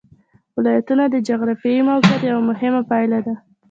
ولایتونه د جغرافیایي موقیعت یوه مهمه پایله ده.